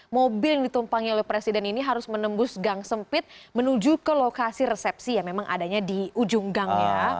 mobil yang ditumpangi oleh presiden ini harus menembus gang sempit menuju ke lokasi resepsi yang memang adanya di ujung gang ya